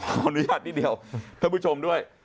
ขออนุญาตนิดเดียวท่านผู้ชมด้วย